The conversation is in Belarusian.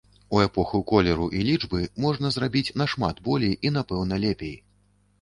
У эпоху колеру і лічбы можна зрабіць нашмат болей і, напэўна, лепей.